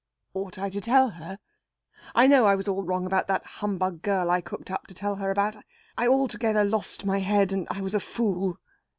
"Ought I to tell her? I know I was all wrong about that humbug girl I cooked up to tell her about. I altogether lost my head, and was a fool."